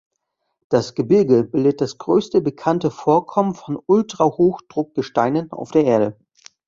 Das Gebirge bildet das größte bekannte Vorkommen von Ultrahochdruck-Gesteinen auf der Erde.